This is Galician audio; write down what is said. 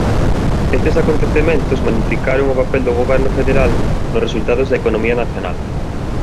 Estes acontecementos magnificaron o papel do goberno federal nos resultados da economía nacional.